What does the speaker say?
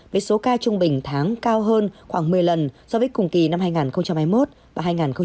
với số ca trung bình tháng cao hơn khoảng một mươi lần so với cùng kỳ năm hai nghìn hai mươi một và hai nghìn hai mươi hai